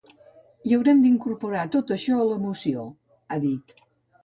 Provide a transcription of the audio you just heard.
I haurem d’incorporar tot això a la moció, ha dit.